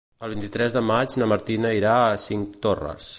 El vint-i-tres de maig na Martina irà a Cinctorres.